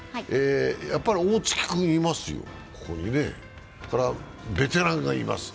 やっぱり大槻君いますよ、ここにね。ベテランがいます。